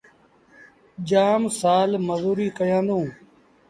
جآم سآل مزوريٚ ڪيآݩدوݩ۔